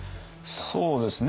そうですね